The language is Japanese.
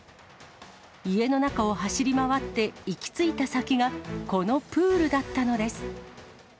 家の中を走り回って、行き着いた先が、このプールだったのです。